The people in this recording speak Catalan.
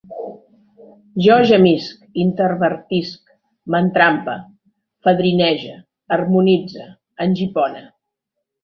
Jo gemisc, intervertisc, m'entrampe, fadrinege, harmonitze, engipone